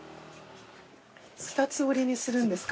二つ折りにするんですか。